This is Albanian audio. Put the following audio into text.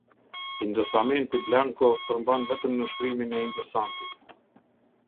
Indosamenti blanko përmban vetëm nënshkrimin e indosantit.